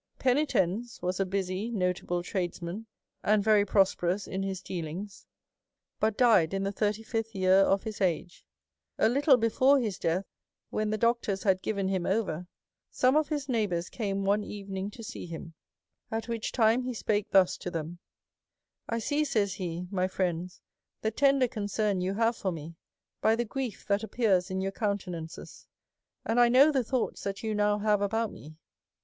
Penitens was a busy notable tradesman, and very jirosperous in his dealings ; but died in the thirty fifth year of his age. A little before his death, when tlie doctors had given him over, some of his neighbours came one evening' to see him ; at which time he spake thus to them :" I see," says he, " my friends, the tender concern you have for me, by the grief that appears in your countenances, and I know the thoughts that you now have about nie.